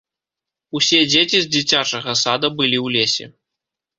Усе дзеці з дзіцячага сада былі ў лесе.